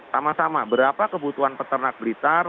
sama sama berapa kebutuhan peternak blitar